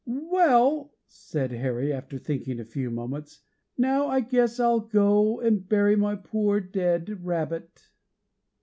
"Well," said Harry, after thinking a few moments, "now I guess I'll go and bury my poor dead rabbit."